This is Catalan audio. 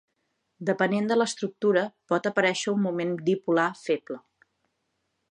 Depenent de l'estructura, pot aparèixer un moment dipolar feble.